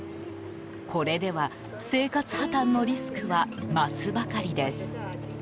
これでは、生活破綻のリスクは増すばかりです。